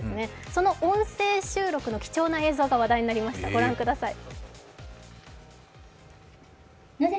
その音声収録の貴重な映像が話題になりましたご覧ください。